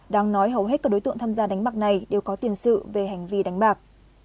đáng nói hầu hết các đối tượng tham gia đánh bạc này đều có tiền sự về hành vi đánh bạc